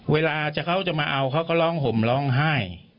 เวลาเขาจะมาเอาเขาก็ร้องห่มร้องไห้